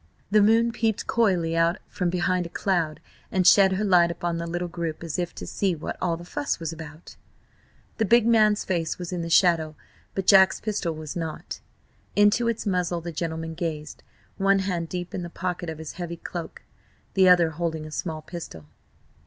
The moon peeped coyly out from behind a cloud and shed her light upon the little group as if to see what all the fuss was about. The big man's face was in the shadow, but Jack's pistol was not. Into its muzzle the gentleman gazed, one hand deep in the pocket of his heavy cloak, the other holding a small pistol.